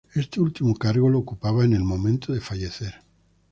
Este último cargo lo ocupaba al momento de fallecer.